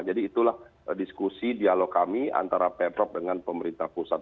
jadi itulah diskusi dialog kami antara peprop dengan pemerintah pusat